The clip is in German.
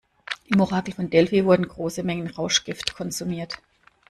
Im Orakel von Delphi wurden große Mengen Rauschgift konsumiert.